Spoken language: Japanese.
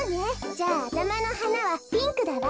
じゃああたまのはなはピンクだわ。